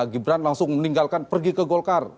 gibran langsung meninggalkan pergi ke golkar